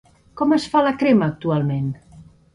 Com es fa la crema actualment?